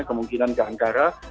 kemungkinan ke angkara